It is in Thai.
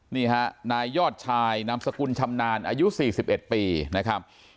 นี่ฮะนายยอดชายนำสกุลชำนาญอายุสี่สิบเอ็ดปีนะครับ